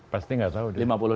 pasti nggak tahu